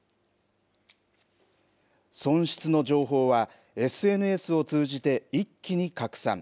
損失の情報は、ＳＮＳを通じて一気に拡散。